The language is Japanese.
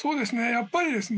やっぱりですね